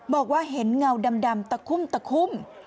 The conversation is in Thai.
บอกว่าเห็นเงาดำตะคุ่ม